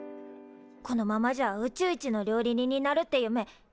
このままじゃあ宇宙一の料理人になるって夢ダメんなっちまう。